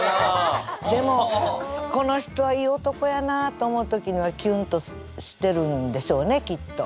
でもこの人はいい男やなと思う時にはキュンとしてるんでしょうねきっと。